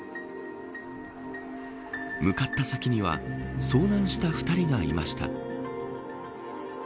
向かった先には遭難した２人がいました。